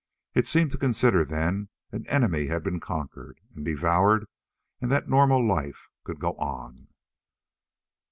It seemed to consider then an enemy had been conquered and devoured and that normal life could go on.